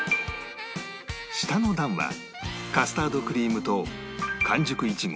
下の段はカスタードクリームと完熟イチゴ